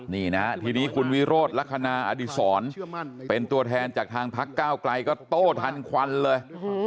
นี่นะทีนี้คุณวิโรธลักษณะอดีศรเป็นตัวแทนจากทางพักก้าวไกลก็โต้ทันควันเลย